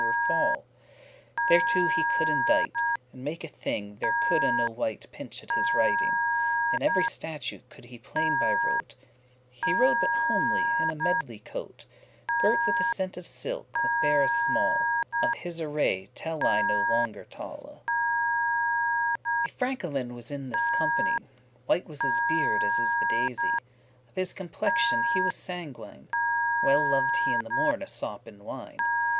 were fall. Thereto he could indite, and make a thing There coulde no wight *pinch at* his writing. *find fault with* And every statute coud* he plain by rote *knew He rode but homely in a medley* coat, *multicoloured Girt with a seint* of silk, with barres small; *sash Of his array tell I no longer tale. A FRANKELIN* was in this company; *Rich landowner White was his beard, as is the daisy. Of his complexion he was sanguine. Well lov'd he in the morn a sop in wine.